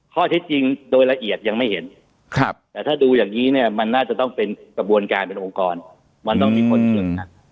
ข้อเท็จจริงโดยละเอียดยังไม่เห็นแต่ถ้าดูอย่างนี้เนี่ยมันน่าจะต้องเป็นกระบวนการเป็นองค์กรมันต้องมีคนฝึกนะ